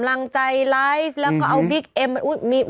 หลากหลายรอดอย่างเดียว